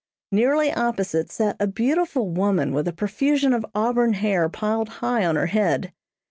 Nearly opposite sat a beautiful woman with a profusion of auburn hair piled high on her head.